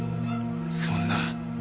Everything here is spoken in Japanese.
そんな。